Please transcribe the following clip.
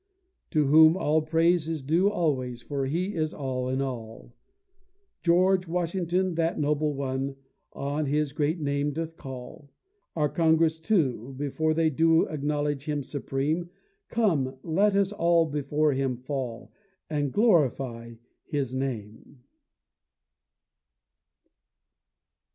To whom all praise is due always, For He is all in all; George Washington, that noble one, On His great name doth call. Our Congress too, before they do, Acknowledge Him supreme; Come let us all before Him fall, And glorify His name.